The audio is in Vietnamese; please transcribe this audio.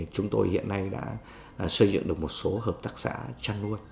chúng tôi hiện nay đã xây dựng được các hợp tác giả chuyên canh trong nông nghiệp